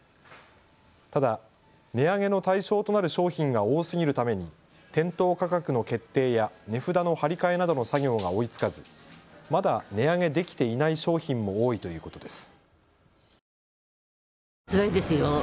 ただ、値上げの対象となる商品が多すぎるために店頭価格の決定や値札の貼り替えなどの作業が追いつかずまだ値上げできていない商品も多いということです。